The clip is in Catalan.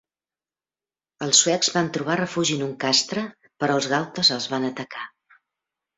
Els suecs van trobar refugi en un castre, però els gautes els van atacar.